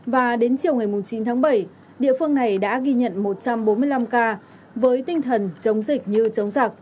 và đến chiều ngày chín tháng bảy địa phương này đã ghi nhận một trăm bốn mươi năm ca với tinh thần chống dịch như chống giặc